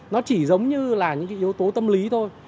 nó chỉ giống như là những cái yếu tố tâm lý thôi